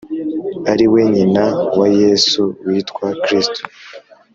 ari we nyina wa Yesu witwa Kristo.